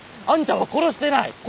あんたは殺してない！